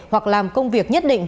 hoặc làm công việc nhất định